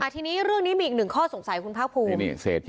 ทีนี้เรื่องนี้มีอีกหนึ่งข้อสงสัยคุณภาคภูมิ